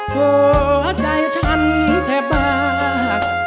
โทษใจฉันแทบบาก